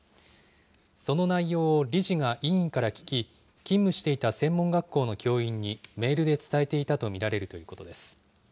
その内容を理事が委員から聞き、勤務していた専門学校の教員にメールで伝えていたと見られるということです。